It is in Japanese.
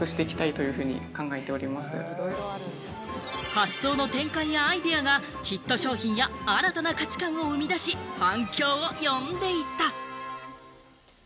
発想の転換やアイデアがヒット商品や新たな価値観を生み出し、反響を呼んでいた。